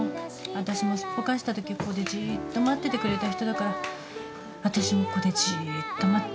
私もすっぽかしたときここでじっと待っててくれた人だから私もここでじっと待ってみる。